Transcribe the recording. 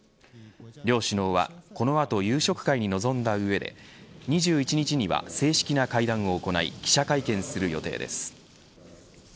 両首脳はこの後夕食会に臨んだ上で２１日には、正式な会談を行い記者会見する予定です。